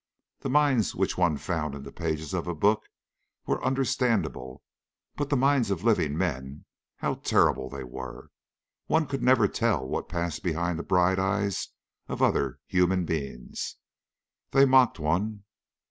The minds which one found in the pages of a book were understandable. But the minds of living men how terrible they were! One could never tell what passed behind the bright eyes of other human beings. They mocked one.